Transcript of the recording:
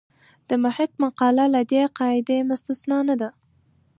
د محق مقاله له دې قاعدې مستثنا نه ده.